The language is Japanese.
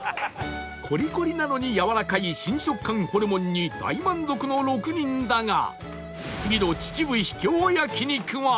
コリコリなのにやわらかい新食感ホルモンに大満足の６人だが